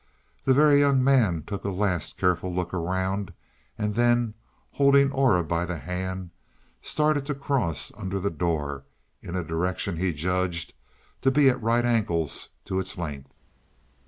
The Very Young Man took a last careful look around and then, holding Aura by the hand, started to cross under the door in a direction he judged to be at right angles to its length.